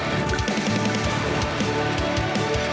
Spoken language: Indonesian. kali inimusik ada kesempatan